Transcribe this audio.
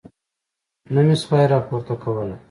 نه مې شوای راپورته کولی.